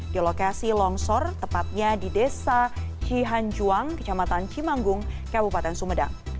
di lokasi longsor tepatnya di desa cihanjuang kecamatan cimanggung kabupaten sumedang